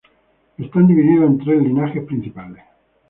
Están divididos en tres linajes principales.